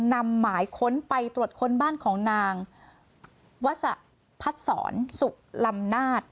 นำหมายค้นไปตรวจค้นบ้านของนางวสะพัดศรสุลำนาจ